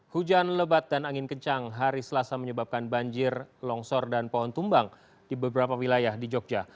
hujan lebat dan angin kencang hari selasa menyebabkan banjir longsor dan pohon tumbang di beberapa wilayah di jogja